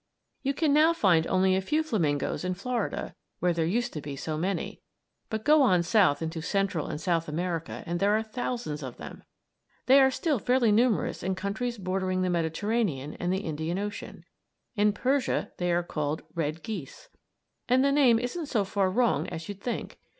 You can now find only a few flamingoes in Florida, where there used to be so many; but go on south into Central and South America and there are thousands of them. They are still fairly numerous in countries bordering the Mediterranean and the Indian Ocean. In Persia they are called "red geese." And the name isn't so far wrong as you'd think.